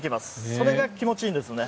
それが気持ちいいんですね。